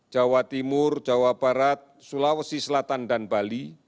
jawa timur jawa barat sulawesi selatan dan bali